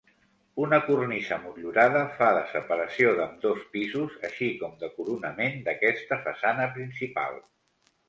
Una cornisa motllurada fa de separació d'ambdós pisos, així com de coronament d'aquesta façana principal.